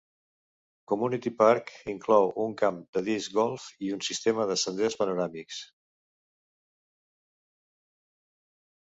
Community Park inclou un camp de disc golf i un sistema de senders panoràmics.